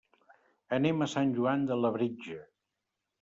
Anem a Sant Joan de Labritja.